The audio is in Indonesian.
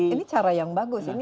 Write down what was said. ini cara yang bagus